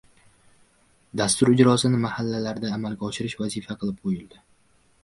Dasturlar ijrosini mahallalarda amalga oshirish vazifa qilib qo‘yildi